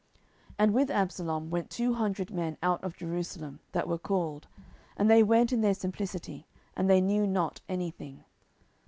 10:015:011 And with Absalom went two hundred men out of Jerusalem, that were called; and they went in their simplicity, and they knew not any thing.